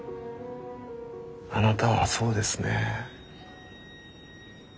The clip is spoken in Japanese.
あなたはそうですね。